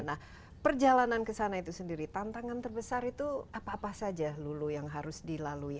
nah perjalanan ke sana itu sendiri tantangan terbesar itu apa apa saja lulu yang harus dilalui